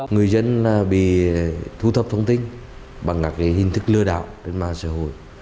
người dân bị thu thập thông tin bằng các hình thức lừa đảo trên mạng xã hội